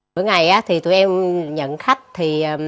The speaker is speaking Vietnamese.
mỗi ngày thì tụi em nhận khách